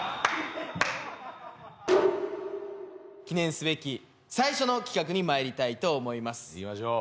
記念すべき最初の企画に参りたいと思います。